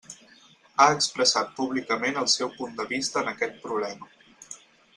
Ha expressat públicament el seu punt de vista en aquest problema.